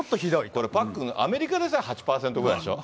これパックン、アメリカでさえ８％ぐらいでしょ。